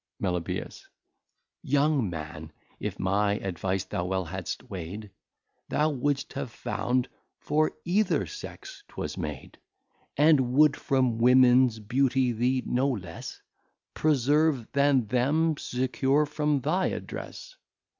Me. Young man, if my advice thou well hadst weigh'd, Thou would'st have found, for either Sex 'twas made; And would from Womens Beauty thee no less Preserve, than them secure from thy Address.